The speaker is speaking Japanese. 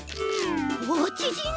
わちぢんだ！